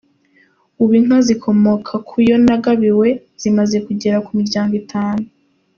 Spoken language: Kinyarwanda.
Ubu inka zikomoka ku yo nagabiwe zimaze kugera ku miryango itanu.